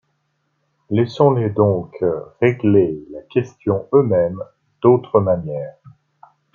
Laissons-les donc régler la question eux-mêmes d'autres manières.